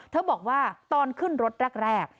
บอกว่าตอนขึ้นรถแรก